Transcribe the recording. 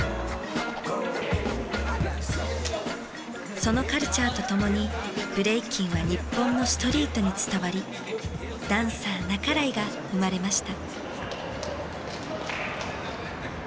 そのカルチャーと共にブレイキンは日本のストリートに伝わりダンサー半井が生まれました。